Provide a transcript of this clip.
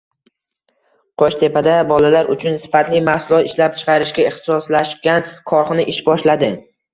Qo‘shtepada bolalar uchun sifatli mahsulot ishlab chiqarishga ixtsoslashgan korxona ish boshladi